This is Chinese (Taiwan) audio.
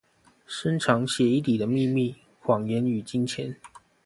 深藏血液裡的祕密、謊言與金錢